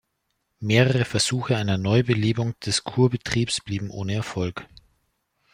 Mehrere Versuche einer Neubelebung des Kurbetriebs blieben ohne Erfolg.